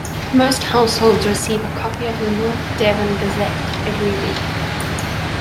Most households receive a copy of the "North Devon Gazette" every week.